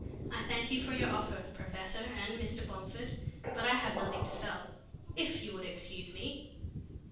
I thank you for your offer, professor, and Mr. Bomford, but I have nothing to sell. If you would excuse me!"